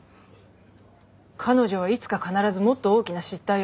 彼女はいつか必ずもっと大きな失態を犯します。